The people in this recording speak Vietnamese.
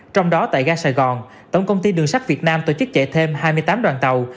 trong đó tại ga sài gòn tổng công ty đường sắt việt nam tổ chức chạy thêm hai mươi tám đoàn tàu